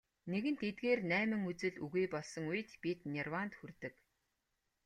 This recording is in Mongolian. Нэгэнт эдгээр найман үзэл үгүй болсон үед бид нирваанд хүрдэг.